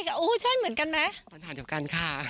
ปัญหาเดียวกันค่ะ